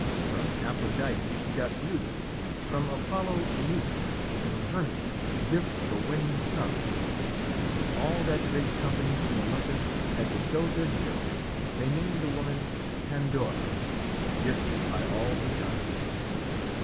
From Aphrodite she got beauty, from Apollo music, from Hermes the gift of a winning tongue. And when all that great company in Olympus had bestowed their gifts, they named the woman Pandora "Gifted by all the Gods."